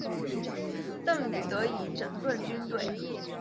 邓禹得以整顿军队。